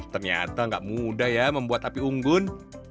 ternyata nggak mudah ya membuat api unggun